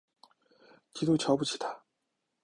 极度瞧不起他